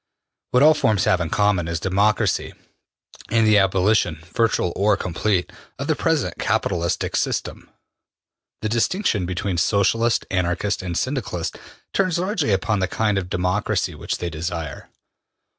What all forms have in common is democracy and the abolition, virtual or complete, of the present capitalistic system. The distinction between Socialists, Anarchists and Syndicalists turns largely upon the kind of democracy which they desire.